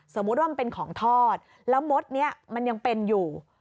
สมมุติว่ามันเป็นของทอดแล้วมดนี้มันยังเป็นอยู่